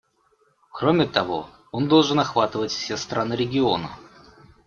Кроме того, он должен охватывать все страны региона.